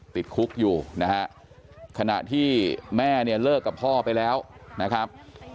ติดคุกอยู่นะฮะขณะที่แม่เนี่ยเลิกกับพ่อไปแล้วนะครับ